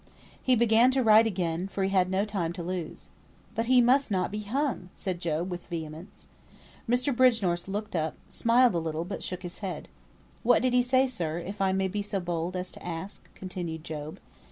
He began to write again, for he had no time to lose. "But he must not be hung," said Job, with vehemence. Mr. Bridgenorth looked up, smiled a little, but shook his head. "What did he say, sir, if I may be so bold as to ask?" continued Job.